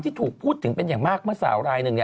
ที่ถูกพูดถึงเป็นอย่างมากเมื่อสาวรายหนึ่ง